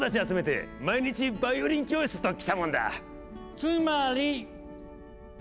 つまり。